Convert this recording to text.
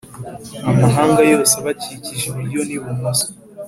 Amahanga yose abakikije iburyo n ibumoso